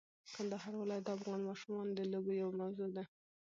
د کندهار ولایت د افغان ماشومانو د لوبو یوه موضوع ده.